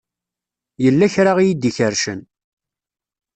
Yella kra i yi-d-ikerrcen.